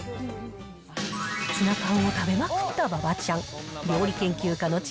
ツナ缶を食べまくった馬場ちゃん。